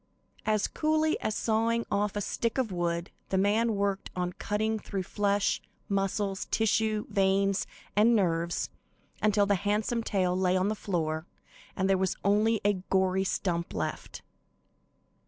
As coolly as sawing off a stick of wood, the man worked on, cutting through flesh, muscles, tissues, veins and nerves until the handsome tail lay on the floor and there was only a gory stump left.